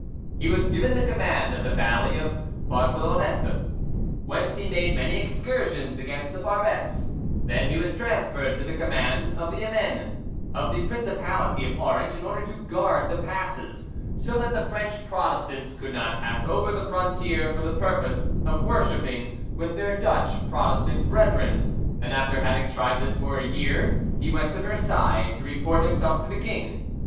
He was given the command of the valley of Barcelonnette, whence he made many excursions against the Barbets; then he was transferred to the command of the Avennes, of the principality of Orange, in order to guard the passes, so that the French Protestants could not pass over the frontier for the purpose of worshipping with their Dutch Protestant brethren; and after having tried this for a year, he went to Versailles to report himself to the king.